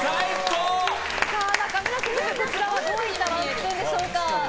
中村シェフ、こちらはどういったワンスプーンですか。